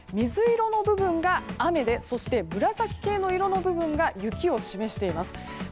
水色の部分が雨でそして紫系の色の部分が雪を示しています。